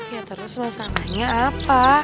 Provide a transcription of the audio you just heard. ya terus masalahnya apa